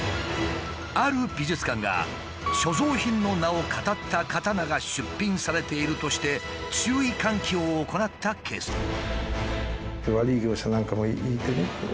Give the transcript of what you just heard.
ある美術館が「所蔵品の名をかたった刀が出品されている」として注意喚起を行ったケースも。